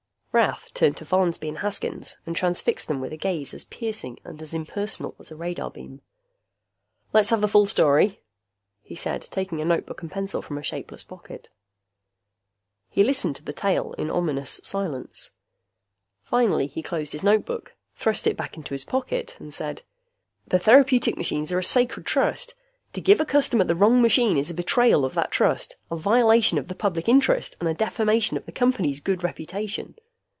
Rath turned to Follansby and Haskins, and transfixed them with a gaze as piercing and as impersonal as a radar beam. "Let's have the full story," he said, taking a notebook and pencil from a shapeless pocket. He listened to the tale in ominous silence. Finally he closed his notebook, thrust it back into his pocket and said, "The therapeutic machines are a sacred trust. To give a customer the wrong machine is a betrayal of that trust, a violation of the Public Interest, and a defamation of the Company's good reputation."